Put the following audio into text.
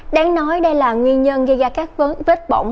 đáng nói đây là nguyên nhân gây ra các vấn vết bỏng